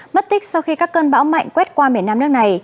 mất tích sau khi các cơn bão mạnh quét qua miền nam nước này